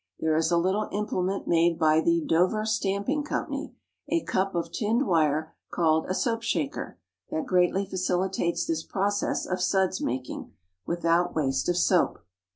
There is a little implement made by the "Dover Stamping Co.," a cup of tinned wire, called a "soap shaker," that greatly facilitates this process of suds making, without waste of soap.